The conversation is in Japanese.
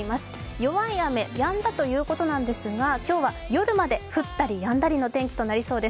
弱い雨、やんだということなんですが、今日は夜まで降ったりやんだりの天気となりそうです。